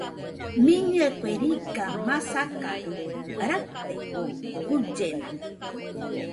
Mɨnɨe kue riga masakajɨ raɨte, guillena